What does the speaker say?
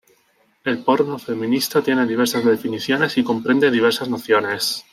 El porno feminista tiene diversas definiciones y comprende diversas nociones.